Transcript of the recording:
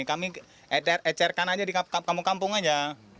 kami ecerkan aja di kampung kampung aja